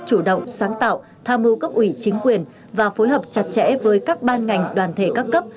chủ động sáng tạo tham mưu cấp ủy chính quyền và phối hợp chặt chẽ với các ban ngành đoàn thể các cấp